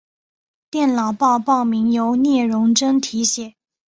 电脑报报名由聂荣臻题写。